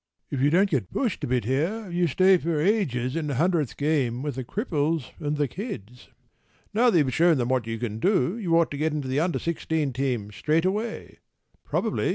If you don’t get pushed a bit here you stay for ages in the hundredth game with the cripples and the kids.  Now you’ve shown them what you can do you ought to get into the Under Sixteen team straight away.